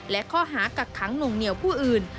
และข้อหากักขังหน่วงเหนียวผู้อื่น